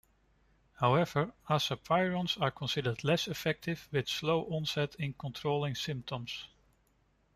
However, azapirones are considered less effective with slow onset in controlling symptoms.